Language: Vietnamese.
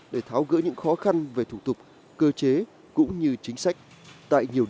để tháo gỡ những khó khăn về thủ tục cơ chế cũng như chính sách